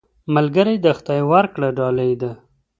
ملګری د خدای ورکړه ډالۍ ده